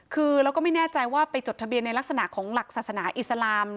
คือเราก็ไม่แน่ใจว่าไปจดทะเบียนในลักษณะของหลักศาสนาอิสลาม